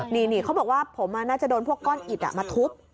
นี่เขาบอกว่าผมน่าจะโดนพวกก้อนอิดมาทุบ